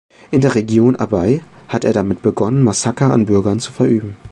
In der Region Abyei hat er damit begonnen, Massaker an Bürgern zu verüben.